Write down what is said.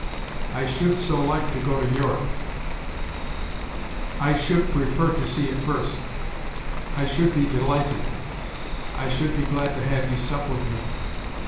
"I should so like to go to Europe!" "I should prefer to see it first." "I should be delighted." "I should be glad to have you sup with me."